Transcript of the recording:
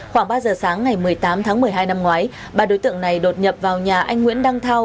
khoảng ba giờ sáng ngày một mươi tám tháng một mươi hai năm ngoái ba đối tượng này đột nhập vào nhà anh nguyễn đăng thao